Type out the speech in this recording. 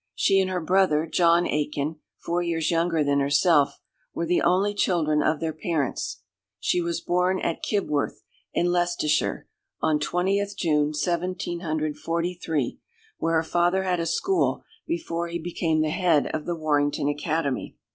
She and her brother, John Aikin, four years younger than herself, were the only children of their parents. She was born at Kibworth, in Leicestershire, on 20th June 1743, where her father had a school before he became the head of the Warrington Academy.